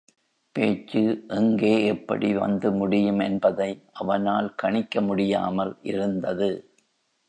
பேச்சு எங்கே எப்படி வந்து முடியும் என்பதை அவனால் கணிக்க முடியாமல் இருந்தது.